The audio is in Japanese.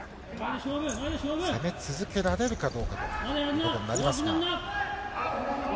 攻め続けられるかどうかということになりますが。